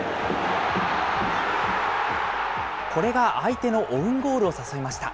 これが相手のオウンゴールを誘いました。